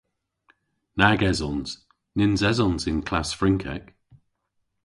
Nag esons. Nyns esons y�n klass Frynkek.